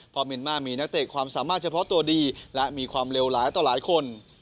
พอเมียนมาร์มีนักเตะความสามารถเฉพาะตัวดีและมีความเลวร้ายต่อหลายคน